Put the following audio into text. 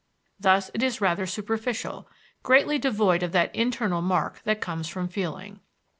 Thus it is rather superficial, greatly devoid of that internal mark that comes from feeling.